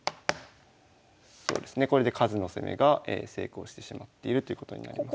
そうですねこれで数の攻めが成功してしまっているということになります。